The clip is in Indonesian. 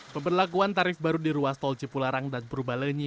pemberlakuan tarif baru di ruas tol cipularang dan purbalenyi